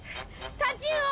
タチウオ。